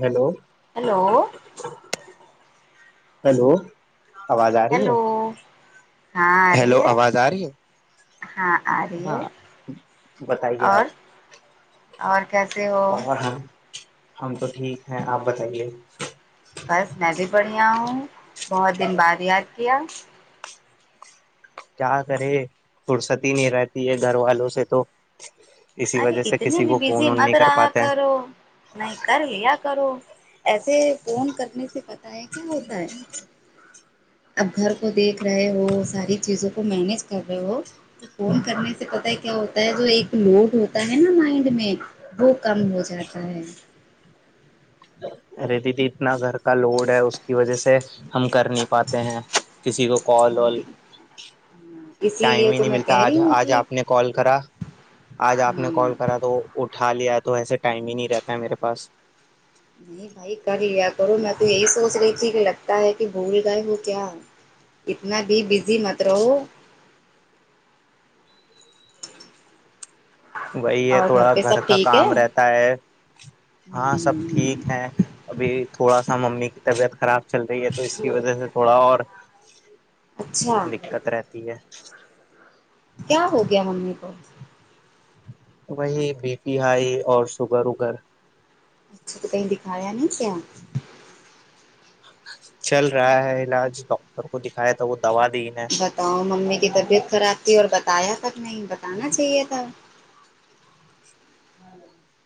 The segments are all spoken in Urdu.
ہیلو ہیلو ہیلو آواز آ رہی ہیلو ہے ہاں آ ہیلو رہی ہے آواز آ رہی ہے ہاں آ رہی ہے ہاں بتائیے اور آپ اور کیسے ہو اور ہم ہم تو ٹھیک ہیں آپ بتائیے بس میں بھی بڑھیا ہوں بہت دن بعد یاد کیا کیا کرے فرصتی نہیں رہتی ہے گھر والوں سے تو اسی ارے وجہ سے اتنی کسی بھی کو فون بزی وون مت نہیں کر رہا پاتے ہیں کرو نہیں کر لیا کرو ایسے فون کرنے سے پتا ہے کیا ہوتا ہے اب گھر کو دیکھ رہے ہو ساری چیزوں کو مینج کر رہے ہو تو فون کرنے سے پتا ہے کیا ہوتا ہے جو ایک نوٹ ہوتا ہے نا مائنڈ میں وہ کم ہو جاتا ہے رہتی تھی اتنا گھر کا لوڈ ہے اس کی وجہ سے ہم کر نہیں پاتے ہیں کسی کو کال ہوں اسی ٹائم لیے ہی تو نہیں میں ملتا کہہ آج رہی آج کہ آپ نے کال کرا آج آپ نے ہوں کال کرا تو اٹھا لیا تو ایسے ٹائم ہی نہیں رہتا ہے میرے پاس نہیں بھائی کر لیا کرو میں تو یہی سوچ رہی تھی کہ لگتا ہے کہ بھول گائے وہ کیا ہے اتنا بھی بزی مت رہو وہی ہے اور تھوڑا پہ گھر سب کا ٹھیک ہے کام رہتا ہے ہاں سب ٹھیک ہے ابھی تھوڑا سا ممی کی طبیعت خراب چل رہی ہے تو اس کی وجہ سے تھوڑا اور اچھا دقت رہتی ہے کیا ہو گیا ممی کو وہی بی پی ہائی اور شوگر وگر اچھا تو کہیں دکھایا نہیں کیا چل رہا ہے علاج ڈاکٹر کو دکھایا تھا وہ دوا دی نے بتاؤ ممی کی طبیعت خراب تھی اور بتایا تک نہیں بتانا چاہیے تھا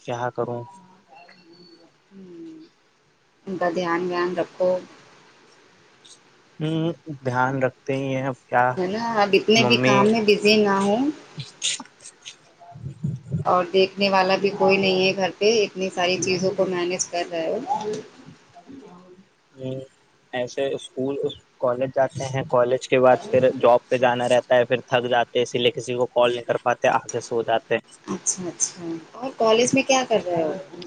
کیا کروں ہاں ان کا دھیان وان رکھو ہاں دھیان رکھتے ہی ہیں کیا ہے نا اب اتنے بھی ممی کام میں بزی نہ ہوں اور دیکھنے والا بھی کوئی نہیں ہے گھر پہ اتنی ساری چیزوں کو مینیج کر رہے ہو ہاں ایسے اسکول کالج جاتے ہیں کالج کے بعد پھر جاب پہ جانا رہتا ہے پھر تھک جاتے اسی لیے کسی کو کال نہیں کر پاتے آگ سو جاتے اچھا اچھا اور کالج میں کیا کر رہا ہے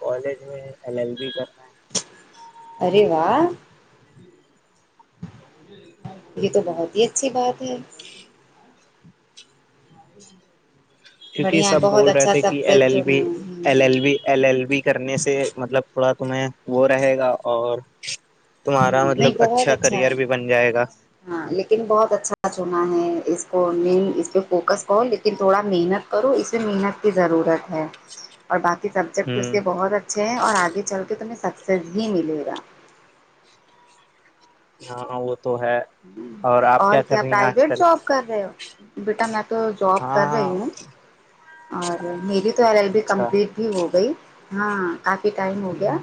کالج میں ایل ایل بی کرنا ہے اریے یہ تو بہت ہی اچھی بات ہے کیونکہ یہ بڑھیا ہے سب بہت بول رہے اچھا تھے کہ ایل سبجیکٹ ایل جو B L L B L L B کرنے سے مطلب تھوڑا تمہیں وہ رہے گا اور تمہارا مطلب نہیں بہت اچھا کریئر بھی بن جائے گا ہاں لیکن بہت اچھا چنا ہے اس کو مین اس پہ فوکس کون لیکن تھوڑا محنت کرو اس میں محنت کی ضرورت ہے جی اور باقی سبجیکٹ اس کے بہت اچھے ہیں اور آگے چل کے تمہیں سکسیز بھی ملے گا [inaudible] ہاں وہ تو ہے آپ اور کر کیا رہی ہیں آج پرائیویٹ کل جاب کر رہے ہو بیٹا میں تو جاب کر ہاں رہی ہوں اور میری تو ایل ایل بی اچھا کمپلیٹ ہو گئی ہاں کافی ٹائم ہو گیا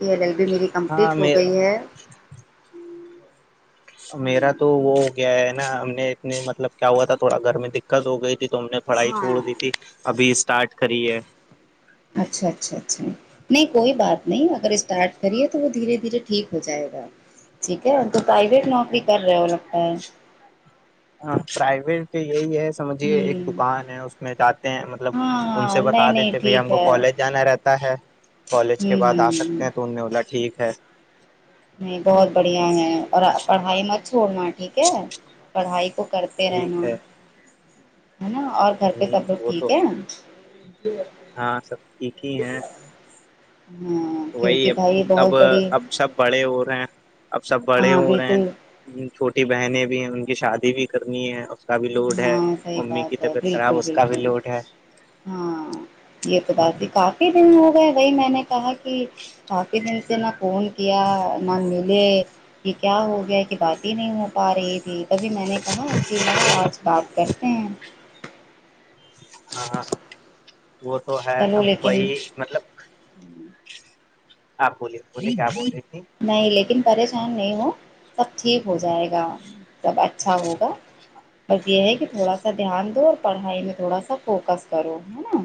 یہ ایل ایل بی میری ہاں کمپلیٹ ہو میرا گئی ہے میرا تو وہ گیا ہے نا ہم نے اتنے مطلب کیا ہوا تھا تھوڑا گھر میں دقت ہو گئی تھی تو ہم نے پڑھائی چھوڑ ہاں دی تھی ابھی اسٹارٹ کری ہے اچھا اچھا اچھا نہیں کوئی بات نہیں اگر اسٹارٹ کریے تو وہ دھیرے دھیرے ٹھیک ہو جائے گا ٹھیک ہے تو پرائیویٹ نوکری کر رہے وہ لگتا ہے ہاں پرائیویٹ تو یہی ہے سمجھیے ایک ہ دکان ہے اس میں جاتے ہیں مطلب ان ہاں سے نہیں بتا نہیں دیتے بھائی ٹھیک ہم کو ہے کالج جانا رہتا ہے ہ کالج کے بعد آ ہ سکتے ہیں تو ان نے والولا ٹھیک ہے نہیں بہت بڑھیا ہے اور پڑھائی مت چھوڑناا ٹھیک ہے پڑھائی کو کرتے رہنا ٹھیک ہے ہے نا اور گھر پہ ہ سب لگ وہ تو ٹھیک ہے ہاں سب ٹھیک ہی ہیں ہاں وہی کیونکہ ا بھائی اب بہت بڑی اب سب بڑے ہو رہے ہیں اب سب بڑے ہاں ہو رہے بالکل ہیں چھوٹی بہنیں بھی ہیں ان کی شادی بھی کرنی ہے اس کا بھی لوڈ ہے ہاں صحیح امی کی بات ہے طبیعت خراب بالکل اس کا بھی بالکل لوڈ ہے ہاں یہ تو بات بھی کافی دن ہو گئے وہی میں نے کہا کہ کافی دن سے نہ فون کیا نہ ملے کہ کیا ہو گیا کہ بات ہی نہیں ہو پا رہی تھی تبھی میں نے کہا اس کیلاؤ آج بات کرتے ہیں ہاںاں وہ تو ہے چلو اب لیکن وہی مطلب آپ بولیے بولیے کیا بول رہی تھی نہیں لیکن پریشان نہیں وہ سب ٹھیک ہو جائے گا تب اچھا ہوگا بس یہ ہے کہ تھوڑا سا دھیان دو اور پڑھائی میں تھوڑا سا فوکس کرو ہے نا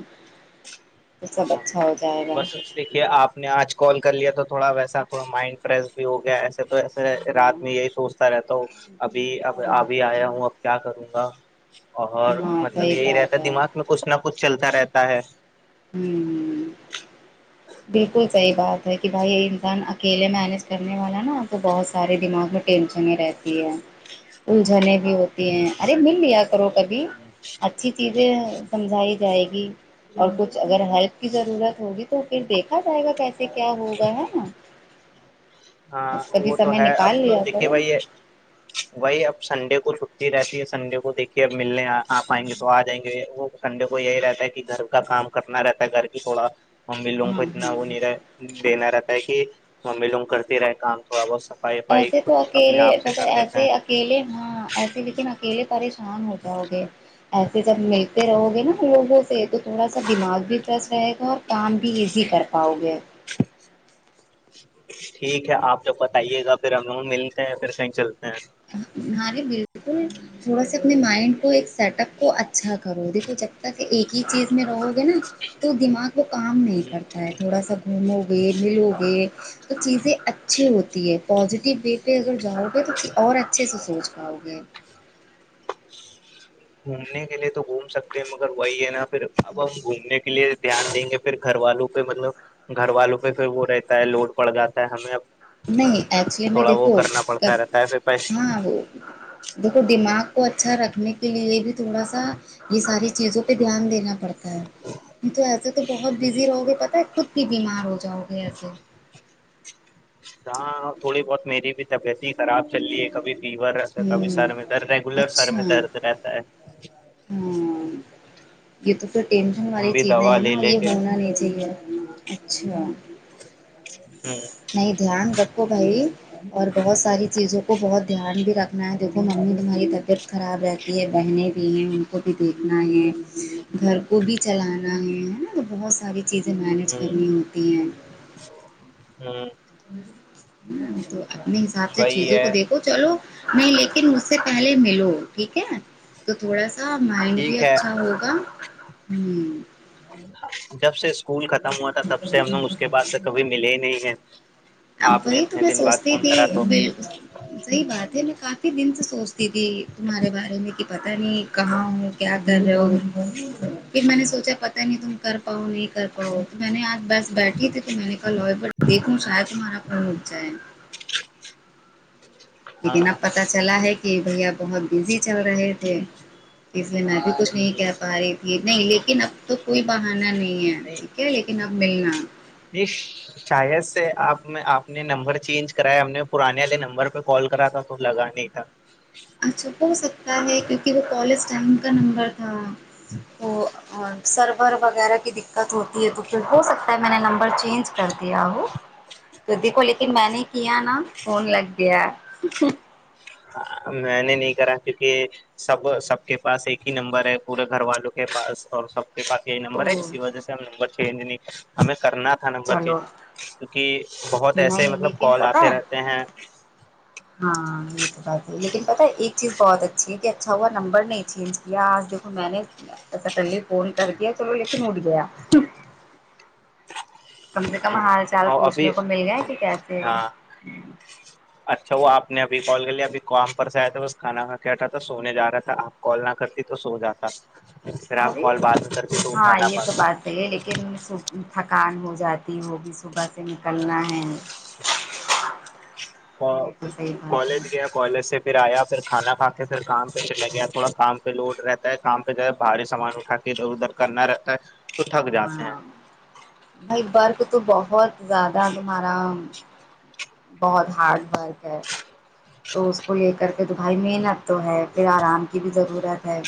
تو سب ہاں اچھا ہو جائے گا بس اس دیکھیے آپ آ نے آج کال کر لیا تو تھوڑا ویسا تھوا مائنڈ فریش بھی ہو گیا ایسا تو ایسے رات ہاں میں یہی سوچتا رہتا ہ ابھی اب ابھی آیا ہوں اب کیا کروں گا اور ہاں مطلب صحیح یہی رہتا بات ہے دماغ میں کچھ نہ کچھ چلتا رہتا ہے ہوں جی بالکل صحیح بات ہے کہ بھائی یہ انسان اکیلے مینج کرنے والا نا آپ کو بہت سارے دماغ میں ٹینشنیں رہتی ہے [unintelligible] الجھنےیں بھی ہوتی ہیں ارے مل لیا کرو کبھی اچھی چیزیں سمجھائی جائے گی اور کچھ اگر ہیلپ کی ضرورت ہوگی تو پھر دیکھا جائے گا کیسے کیا ہوگا ہے نا ہاں بس کبھی وہ تو سمے ہے اب نکال تو لیا دیکھیے کرو بھائی ہے وہی اب سنڈے کو چھٹی رہتی ہے سنڈے کو دیکھیے اب ملنے آپ آئیں گے تو آ جائیں گے کنڈے کو یہی رہتا ہے کہ گھر کا کام کرنا رہتا ہے گھر کی تھوڑا ممی لوگوں کو ہاں اتنا ہاں وہ نہیں رہ دینا رہتا ہے کہ ممی لوگ کرتے رہے کام تھوڑا بہت س پھائی پائی ایسے خود تو اپنے اکیلے آپ سے مطلب کر دیتے ہیں ایسے اکیلے ہاں ایسے لیکن اکلے پریشان ہو جاؤ گے ایسے جب ملتے رہو گے نا لوگوں سے تو تھوڑا سا دماغ بھی فریش رہے گا اور کام بھی ایزی کر پاؤ گے [unintelligible] ٹھیک ہے آپ جب بتائیے گا پھر ہم لوگ ملتے ہیں پھر صیں چلتے ہیں ہمارے بالکل تھوڑا س اپنے مائنڈ کو ایک سیٹ اپ کو اچھا کرو دیکھو جب تک ایک ہی چیز میں رہو گے نا تو دماغ وہ کام نہیں کرتا ہے تھوڑا سا گھومو گے ملو گئے تو چیزیں اچھی ہوتی ہے پازیٹیو وے پہ اگر جاؤ گے تو اور اچھے سے سوچ پاؤ گے گھومنے کے لیے تو گھوم سکتے ہیں مگر وہی ہے نا پھر اب ہم گھومنے کے لیے دھیان دیں گے پھر گھر والوں پہ مطلب گھر والوں پہ پھر وہ رہتا ہے لوڈ پڑ جاتا ہے ہمیں اب نہیں ایکچولی میں تھوڑا وہ دیکھوں کرنا کب پڑتا رہتا ہے پھر پیسے ہاں وہ دیکھو دماغ کو اچھا رکھنے کے لیے بھی تھوڑا سا یہ ساری چیزوں پہ دھیان دینا پڑتا تو ایسے تو بہت بزی رہو گے پتہ ہے خود بھی بیمار ہو جاؤ گے ایسے ہاں تھوڑی بہت میری بھی طبیعت ہی خراب چلیے کبھی فیور رہتا ہے کبھی سر ہوں میں درد ریگولر سر میں اچھا درد رہتا ہے ہاں یہ تو پھر ٹینشن ہم والی بھی چیزیں دوا ہے لے نا لے یہ کے ہونا نہیں چاہیے اچھا ہاں نہیں دھیان رکھو بھائی اور بہت ساری چیزوں کو بہت دھیان بھی رکھنا ہے دیکھو ممی تمہاری طبیعت خراب رہتی ہے بہنیں بھی ہیں ان کو بھی دیکھنا ہے گھر کو بھی چلانا ہے ہے نا تو بہت ساری چیزیں مینج ہ کرنی ہوتی ہیں ہ تو اپنے حساب سے وہی چیزوں کو ہے دیکھ تو چلو نہیں لیکن اس سے پہلے ملو ٹھیک ہے تو تھوڑا سا مائنڈ بھی ٹھیک ہے اچھا ہوگا جب سے اسکول ختم ہوا تھا تب سے ہم لوگ اس کے پاس کبھی ملے ہی نہیں ہیں آپ نے وہی تو اتنے میں دن بعد سوچتی فون تھی کرا تو ب صحیح بات ہے میںف دن سے سوچتی تھی تمہارے بارے میں کہ پتہ نہیں کہاں کیا گھر ہے پھر میں نے سوچا پتا نہیں تم کر پاؤ نہیں تو میں نے آج بس بیٹھی تھی تو میں نے کہا لو بٹ دیکھوں شاید تمہارا کون اٹ جائے ہاں لیکن اب پتا چلا ہے کہ بھیا بہت بزی چل رہے تھے اس لیے نہ بھی کچھ نہیں کہہ پا رہی تھی نہیں لیکن اب تو کوئی بہانا نہیں ہے ٹھیک ہے لیکن اب ملنا ش شااہید سے آپ میں آپ نے نمبر چینج کرایا ہم نے پرانے والے نمبر پہ کال کرا تھا تو لگا نہیں تھا اچھپ ہو سکتا ہے کیونکہ وہ کالج ٹائم کا نمبر تھا وہ اور سرور وغیرہ کی دقت ہوتی ہے تو پھر ہو سکتا ہے میں نے نمبر چینج کر دیا ہو تو دیکھو لیکن میں نے کیا نا فون لگ گیا میں نے نہیں کرا کیونکہ سب سب کے پاس ایک ہی نمبر ہے پورے گھر والوں کے پاس اور سب کے پاس یہی نمبر ہے او اسی وجہ سے ہم نمبر نہیں ہمیں کرنا نمبر چلو تین کیونکہ بہت ایسے نہیں مطلب لیکن کال پتہ آتے ہے رہتے ہیں ہاں یہ تو بات ہے لیکن پتا ایک چیز بہت اچھی ہے کہ اچھا ہوا نمبر نہیں چینج کیا آج دیکھو میں نے ایسا کلے فون کر دیا چلو لیکن اٹھ گیا کم سے کم حال چال اور ابھی پوچھنے کو مل گیا کہ کیسے ہو جچ اچھا وہ آپ نےبھی کال کر لیا ابھی کوم پر سے آیا تھا بس کھانا کا تھا تو سونے جا رہا تھا آپ کال نہ کرتی تو سو جاتا پھر آپ کال بعات نہ کرتی تو اٹا نہا چے لیکن ص تھکان ہو جاتی ہو بھی صبح سے نکلنا ہے یہ تو صحیح بات ہے کالج کالج سے پھر آیا پھر کھانا کھا کے پھر کام پہ چلاے گیا تھوڑا کام پہ لوڈ رہتا ہے کام پہ ہے بھاریے سامان اٹھا کے ادھر کرنا رہتا ہے تو تھک جاتے ہاں ہیں بھائی ورک تو بہت زیادہ تمہارا بہت ہارڈ ورک تو اس کو لے کر کے تو بھائی محنت تو ہے پھر آرام کی بھی ضرورت ہے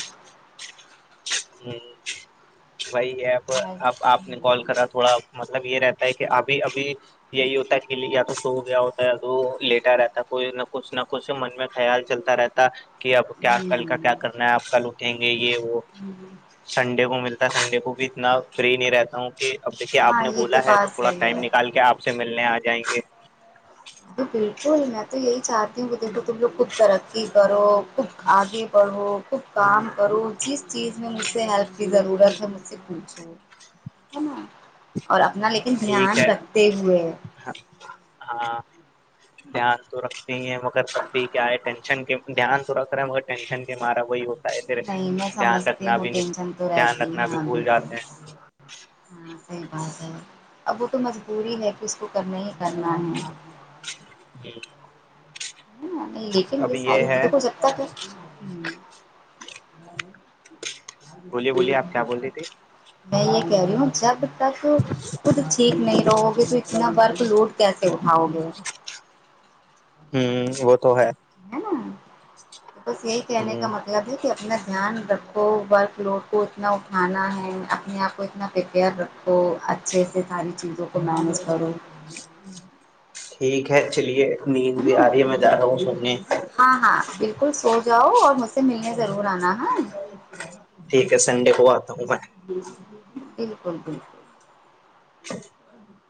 وہی ایپ میں اب آپ نے کال کرا تھوڑا مطلب یہ رہتا ہے کہ ابھی ابھی یہی ہوتا ہے کل جیا تو سو گیا ہوتا ہے تو لیٹا رہتا ہے کوئی نہ کچھ نہ کچھ من میں خیال چلتا رہتا کہ اب کیا کل کا ہوں کیا کرنا ہے آپ کل اھیں گے یہ وہ جی سنڈے کو ملتا سنڈے کو بھی اتنا فری نہیں رہتا ہوں جی اب دیکھیے آپ ہاں نے یہ بولا ہے تو بات تھوڑا صحیح ٹائم ہے نکال کے آپ سے ملنے آ جائیں گے جی بالکل میں تو یہی چاہتی ہوں کہ دیکھو تم لوگ خود ترقی کرو خود آگے بڑھو کام کرو جس چیز میں مجھ سے ہیلپ کی ضرورت ہے مجھ سے پوچھو نا اور اپنا لیکن ٹھیک دھیان ہے رکھتے ہوئے ہاں دھیان تو رکھتے ہی ہیں مگر تبھی کیا ہے دھیان تو رکھا ٹینشن کے مارا وہی ادھر نہیں میں دھیان سمجھتی رکھنا ہوں بھی ٹینشن تو دھیان رہتی ہے رکھنا بھی ہاں بھول بالکل جاتے ہیں ہاں صحیح بات ہے اب وہ تو مجبوری ہے کہ اس کو کرنے ہی کرنا ہے جی نہیں لیکن یہ ساری تو ہو سکتا کیا بولیے بولیے آپ کیا بول رہی تھی میں یہ کہہ رہی ہوں جب خود ٹھیک نہیں رہو گے تو اتنا برق لوٹ کیسے اٹھاؤ گے ہوں وہ تو ہے ہے نا تو بس یہی کہنے ہ کا مطلب ہی کہ اتنا دھیان رکھو ورکلوڈ کو اتنا اٹھانا ہے اپنے آپ کو اتنا پریپیئر رکھو تو اچھے سے ساری چیزوں کو مینج کرو ٹھیک ہے چلیے نیند بھی آ رہی ہے میں جا رہا ہوں سونے ہاں ہاں بالکل سو جاؤ اور مجھ سے ملنے ضرور آنا ہے ٹھیک ہے سنڈے کو آتا ہوں جی جی بالکل بالکل [inaudible]